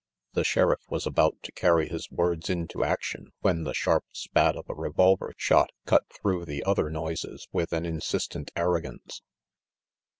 The Sheriff was about to carry his words into action when the sharp spat of a revolver shot cut through the other noises with an insistent arrogance.